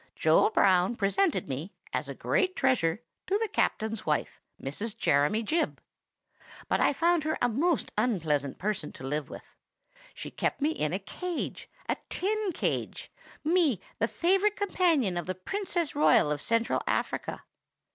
Joe Brown presented me, as a great treasure, to the captain's wife, Mrs. Jeremy Jibb; but I found her a most unpleasant person to live with. She kept me in a cage,—a tin cage,—me, the favorite companion of the Princess Royal of Central Africa!